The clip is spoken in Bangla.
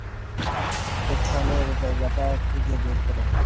উত্থানের জায়গাটা খুঁজে বের করো।